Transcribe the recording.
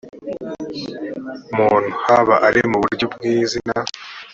muntu haba ari mu buryo bw izina